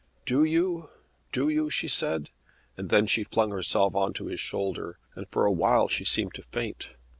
"Do you? Do you?" she said, and then she flung herself on to his shoulder, and for a while she seemed to faint.